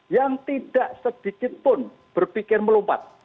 yang tidak sedikit pun berpikir melompat